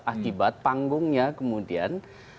akibat panggungnya kemudian